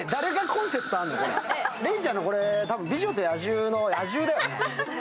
礼ちゃんのこれ、「美女と野獣」の野獣だよね？